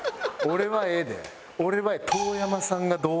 俺はええ。